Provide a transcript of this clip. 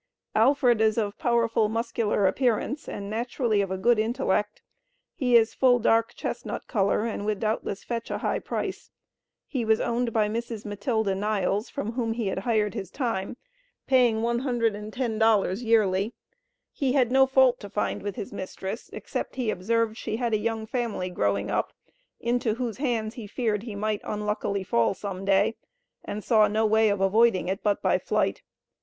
Alfred is of powerful muscular appearance and naturally of a good intellect. He is full dark chestnut color, and would doubtless fetch a high price. He was owned by Mrs. Matilda Niles, from whom he had hired his time, paying $110 yearly. He had no fault to find with his mistress, except he observed she had a young family growing up, into whose hands he feared he might unluckily fall some day, and saw no way of avoiding it but by flight.